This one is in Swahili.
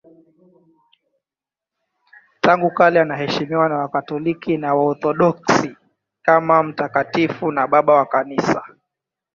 Tangu kale anaheshimiwa na Wakatoliki na Waorthodoksi kama mtakatifu na Baba wa Kanisa.